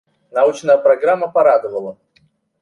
Научная программа порадовала.